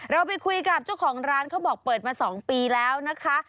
เราไปคุยกับเจ้าของร้านเขาบอกเปิดมา๒ปีแล้วนะคะ